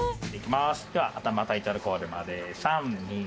では頭タイトルコールまで３２。